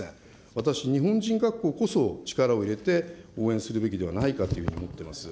私、日本人学校こそ力を入れて、応援するべきではないかというふうに思っています。